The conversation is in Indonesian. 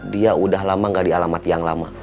dia udah lama gak di alamat yang lama